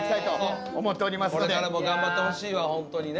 これからも頑張ってほしいわホントにね。